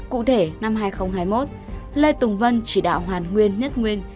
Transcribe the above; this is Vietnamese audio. cụ thể năm hai nghìn hai mươi một lê tùng vân chỉ đạo hoàn nguyên nhất nguyên